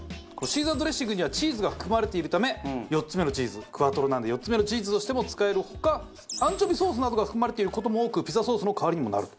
シーザードレッシングにはチーズが含まれているため４つ目のチーズクアトロなんで４つ目のチーズとしても使える他アンチョビソースなどが含まれている事も多くピザソースの代わりにもなる。